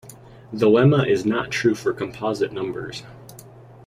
The lemma is not true for composite numbers.